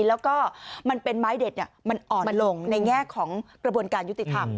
แล้วก็มันเป็นไม้เด็ดมันอ่อนมาลงในแง่ของกระบวนการยุติธรรม